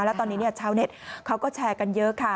แล้วตอนนี้ชาวเน็ตเขาก็แชร์กันเยอะค่ะ